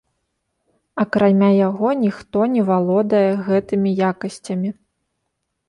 Акрамя яго ніхто не валодае гэтымі якасцямі.